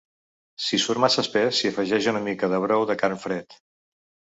Si surt massa espès s’hi afegeix una mica de brou de carn fred.